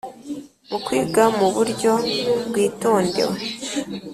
mu kwiga mu buryo bwitondewe